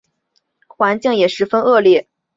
环境也十分的恶劣